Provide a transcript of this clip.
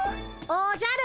おじゃる。